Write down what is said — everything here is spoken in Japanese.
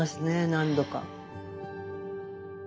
何度か。